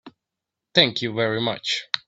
Thank you very much.